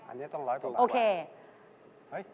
อันนี้ต้องร้อยตรงหลังกว่า